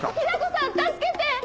雛子さん助けて！